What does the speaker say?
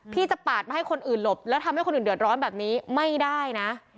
จะปาดมาให้คนอื่นหลบแล้วทำให้คนอื่นเดือดร้อนแบบนี้ไม่ได้นะ